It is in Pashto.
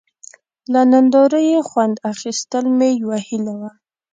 له نندارو یې خوند اخیستل مې یوه هیله وه.